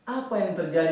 apa yang terjadi